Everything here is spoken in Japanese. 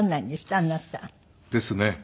あなた。ですね。